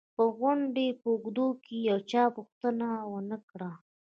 د غونډې په اوږدو کې چا پوښتنه و نه کړه